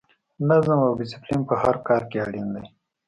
نظم او ډسپلین په هر کار کې اړین دی.